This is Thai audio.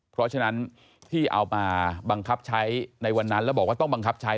เพราะฉะนั้นที่เอามาบังคับใช้ในวันนั้นแล้วบอกว่าต้องบังคับใช้